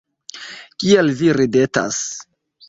Kial vi ridetas?